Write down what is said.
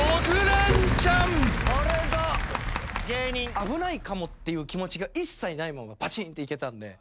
危ないかもっていう気持ちが一切ないままぱちんっていけたんで。